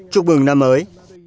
chúc mừng năm mới